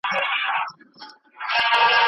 سفیرانو به د دوستۍ پیغامونه رسولي وي.